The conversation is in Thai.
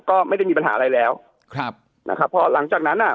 ก็ไม่ได้มีปัญหาอะไรแล้วครับนะครับพอหลังจากนั้นอ่ะ